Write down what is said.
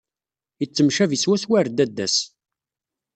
Yettemcabi swaswa ɣer dadda-s.